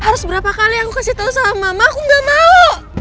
harus berapa kali aku kasih tau sama mama aku gak mau